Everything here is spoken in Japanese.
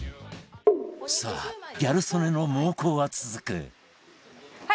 さあギャル曽根の猛攻は続く